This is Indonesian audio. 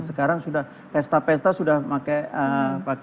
sekarang sudah pesta pesta sudah pakai inu dengan tapis